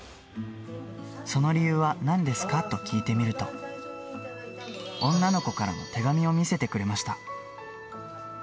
その理由はなんですか？と聞いてみると、女の子からの手紙を見せてくれました。